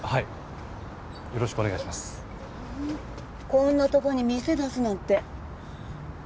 こんなとこに店出すなんて。